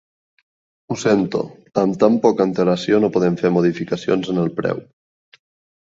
Ho sento, amb tan poca antelació no podem fer modificacions en el preu.